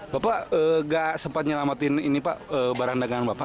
bapak gak sempat nyelamatin ini pak barang dagangan bapak